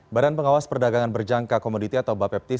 badan pengawas perdagangan berjangka komoditi atau bapeptis